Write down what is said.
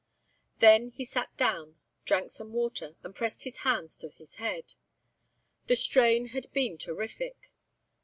Then he sat down, drank some water, and pressed his hands to his head. The strain had been terrific.